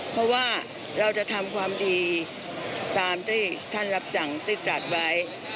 เพราะว่าเราจะทำความดีตามที่ท่านรับสั่งที่ตัดไว้